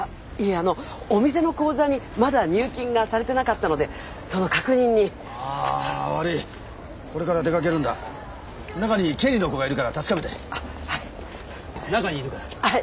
あのお店の口座にまだ入金がされてなかったのでその確認にああ悪いこれから出かけるんだ中に経理の子がいるから確かめてあっはい中にいるからあっ